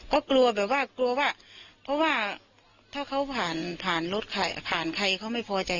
ก็กลัวแบบว่าเพราะว่าถ้าเขาผ่านรถผ่านใครเขาไม่พอใจ